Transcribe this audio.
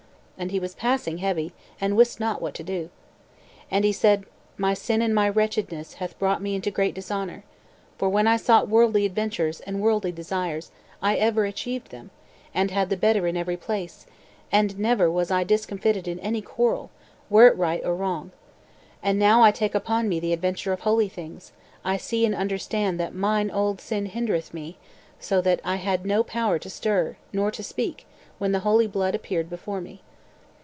And he was passing heavy, and wist not what to do. And he said: "My sin and my wretchedness hath brought me into great dishonor. For when I sought worldly adventures and worldly desires, I ever achieved them, and had the better in every place, and never was I discomfited in any quarrel, were it right or wrong. And now I take upon me the adventure of holy things, I see and understand that mine old sin hindereth me, so that I had no power to stir nor to speak when the holy blood appeared before me."